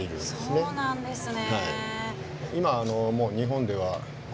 今もうそうなんですね。